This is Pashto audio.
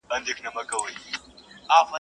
د همدې غرونو لمن کي `